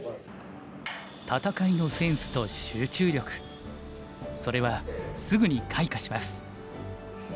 戦いのセンスと集中力それはすぐに開花します。